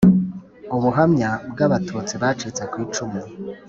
ubuhamya bw'abatutsi bacitse ku icumu